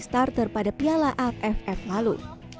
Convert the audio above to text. jadi starter pada piala aff lalu